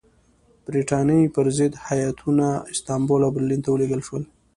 برټانیې پر ضد هیاتونه استانبول او برلین ته ولېږل شول.